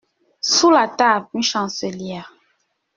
Sous la table, une chancelière.